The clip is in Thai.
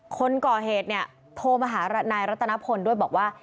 คนก่อเหตุเนี่ยโทรมาหานายรัตนพลด้วยบอกว่า